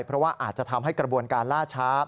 เพราะว่าอาจจะทำให้กระบวนการล่าช้า